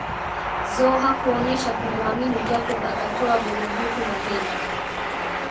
Zo hakuonyesha kumuamini Jacob akatoa burungutu la hela